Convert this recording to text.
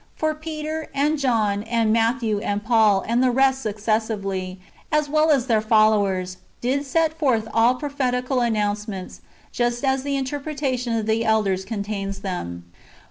For Peter, and John, and Matthew, and Paul, and the rest successively, as well as their followers, did set forth all prophetical [announcements], just as^ the interpreta tion of the elders contains them.